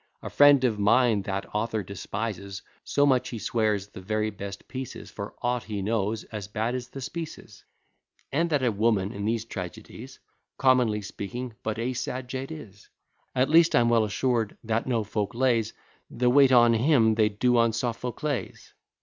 A friend of mine that author despises So much he swears the very best piece is, For aught he knows, as bad as Thespis's; And that a woman in these tragedies, Commonly speaking, but a sad jade is. At least I'm well assured, that no folk lays The weight on him they do on Sophocles.